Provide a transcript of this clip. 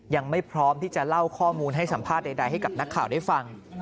ยังไม่พร้อมที่จะเล่าข้อมูลให้สัมภาษณ์ใดให้กับนักข่าวได้ฟัง